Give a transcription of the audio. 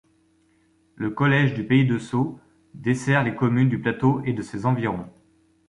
Le collège du Pays-de-Sault dessert les communes du plateau et de ses environs.